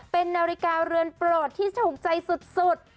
เป็นนาฬิกาเรือนโปรดที่ถูกใจสุด